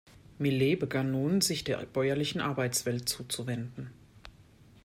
Millet begann nun, sich der bäuerlichen Arbeitswelt zuzuwenden.